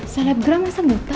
selepgram rasa buta